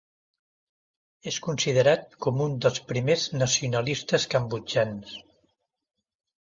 És considerat com un dels primers nacionalistes cambodjans.